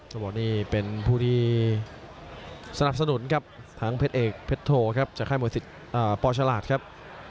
ต้องบอกว่านี่เป็นผู้ที่สนับสนุนครับทางเพชรเอกเพชโธครับจากค่ายหมวดศิษย์ปฉลาดครับ